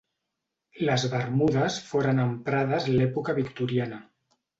Les Bermudes foren emprades l'època victoriana.